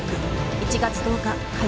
１月１０日火曜